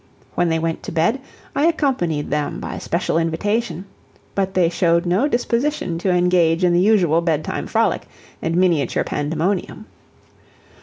When they went to bed, I accompanied them by special invitation, but they showed no disposition to engage in the usual bedtime frolic and miniature pandemonium.